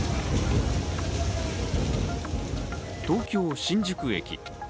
東京・新宿駅。